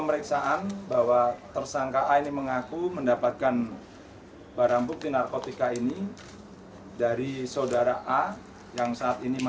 pria berusia empat puluh dua tahun ini mengaku mendapat upas besar rp satu per butir ekstasi yang diterima